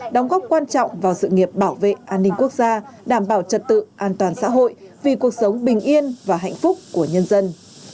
đóng góp quan trọng vào sự nghiệp bảo vệ an ninh quốc gia đảm bảo trật tự an toàn xã hội vì cuộc sống bình yên và hạnh phúc của nhân dân